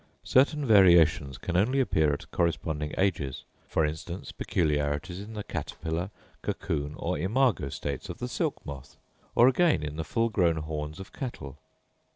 Certain variations can only appear at corresponding ages; for instance, peculiarities in the caterpillar, cocoon, or imago states of the silk moth; or, again, in the full grown horns of cattle.